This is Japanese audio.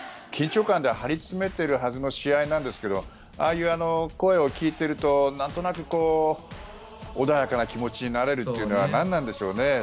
緊張感で張りつめているはずの試合なんですけどああいう声を聞いているとなんとなく穏やかな気持ちになれるのは何なんでしょうね。